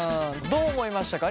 どう思いましたか？